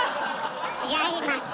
違います。